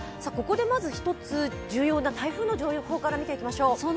ここでまず１つ、重要な台風の情報から見ていきましょう。